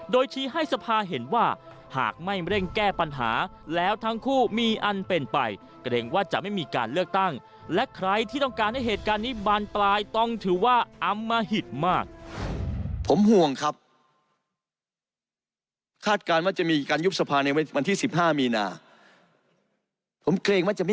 โดยชี้ให้สภาเห็นว่าหากไม่เร่งแก้ปัญหาแล้วทั้งคู่มีอันเป็นไปเกรงว่าจะไม่มีการเลือกตั้งและใครที่ต้องการให้เหตุการณ์นี้บานปลายต้องถือว่าอำมหิตมากผมห่วงครับ